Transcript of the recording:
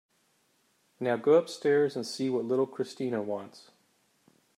Now go upstairs and see what little Christina wants.